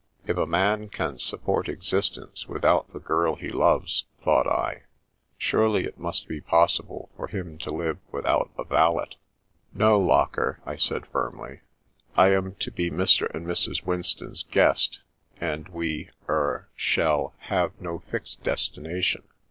If a man can sup port existence without the girl he loves, thought I, surely it must be possible for him to live without a valet. " No, Locker," I said firmly. " I am to be Mr. and Mrs. Winston's guest, and we— er — shall Merc6dfts to the Rescue 15 have no fixed destination.